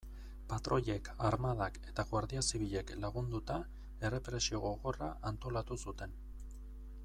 Patroiek, armadak eta Guardia Zibilek lagunduta, errepresio gogorra antolatu zuten.